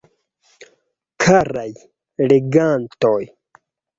Karaj legantoj!